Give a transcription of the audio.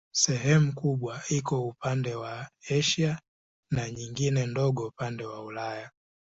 Sehemu kubwa iko upande wa Asia na nyingine ndogo upande wa Ulaya.